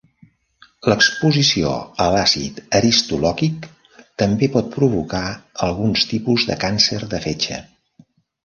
L'exposició a l'àcid aristolòquic també pot provocar alguns tipus de càncer de fetge.